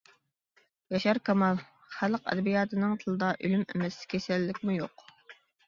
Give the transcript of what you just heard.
ياشار كامال: خەلق ئەدەبىياتىنىڭ تىلىدا ئۆلۈم ئەمەس، كېسەللىكمۇ يوق.